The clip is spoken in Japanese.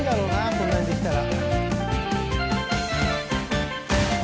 こんなにできたら。